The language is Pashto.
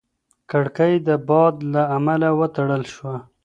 کړکۍ د باد له امله وتړل شوه.